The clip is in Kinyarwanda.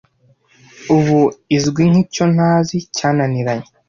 ubu izwi nkicyontazi cyananiranye